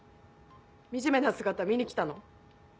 惨めな姿見に来たの？